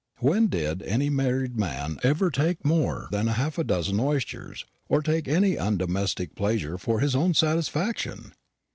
When did any married man ever take more than half a dozen oysters or take any undomestic pleasure for his own satisfaction?